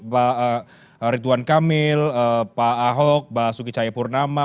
pak ridwan kamil pak ahok pak sukicaya purnama